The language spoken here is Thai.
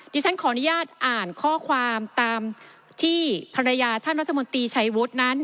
ดิฉันขออนุญาตอ่านข้อความตามที่ภรรยาท่านรัฐมนตรีชัยวุฒินั้น